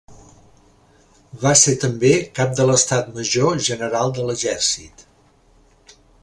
Va ser també Cap de l'Estat Major General de l'Exèrcit.